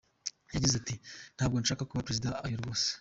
Yagize ati “Ntabwo nshaka kuba Perezida, oya rwose.